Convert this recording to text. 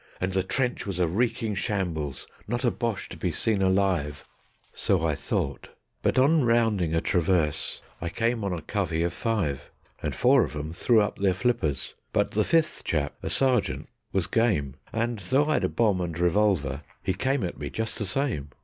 And the trench was a reeking shambles, not a Boche to be seen alive So I thought; but on rounding a traverse I came on a covey of five; And four of 'em threw up their flippers, but the fifth chap, a sergeant, was game, And though I'd a bomb and revolver he came at me just the same.